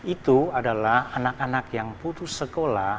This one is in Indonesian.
itu adalah anak anak yang putus sekolah